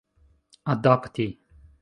adapti